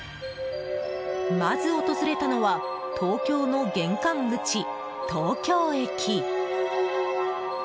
まず、訪れたのは東京の玄関口、東京駅。